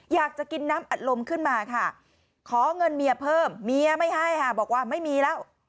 อยากจะกินน้ำอัดลมขึ้นมาค่ะขอเงินเมียเพิ่มเมียไม่ให้ค่ะบอกว่าไม่มีแล้ว